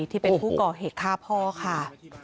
ที่เป็นผู้ก่อเหตุฆ่าพ่อค่ะ